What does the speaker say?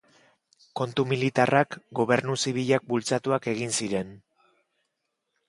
Kontu militarrak, gobernu zibilak bultzatuak egin ziren.